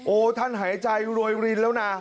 โอ้ท่านหายใจโรยรินแล้วนะ